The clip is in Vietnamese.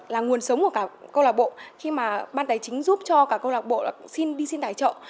là nguồn sống của cả câu lạc bộ khi mà ban tài chính giúp cho cả câu lạc bộ xin đi xin tài trợ